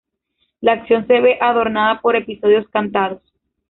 La acción se ve adornada por episodios cantados.